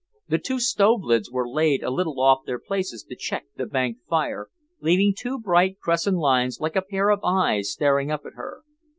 The two stove lids were laid a little off their places to check the banked fire, leaving two bright crescent lines like a pair of eyes staring up at her.